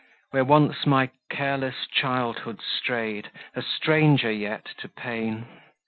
Where once my careless childhood stray'd, A stranger yet to pain!